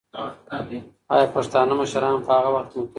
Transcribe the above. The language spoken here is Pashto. ایا پښتانه مشران په هغه وخت کې متحد وو؟